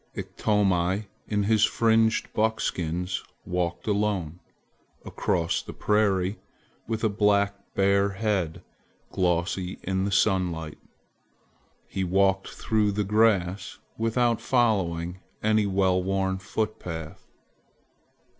Iktomi in his fringed buckskins walked alone across the prairie with a black bare head glossy in the sunlight. He walked through the grass without following any well worn footpath.